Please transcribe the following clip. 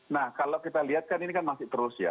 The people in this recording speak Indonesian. nah kalau kita lihat kan ini kan masih terus ya